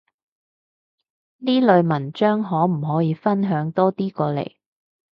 呢類文章可唔可以分享多啲過嚟？